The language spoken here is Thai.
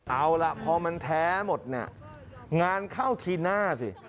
เอาล่ะพอมันแท้หมดเนี่ยงานเข้าทีหน้าสิ